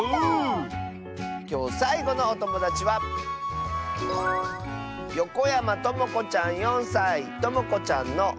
きょうさいごのおともだちはともこちゃんの。